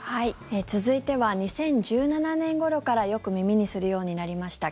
続いては２０１７年ごろからよく耳にするようになりました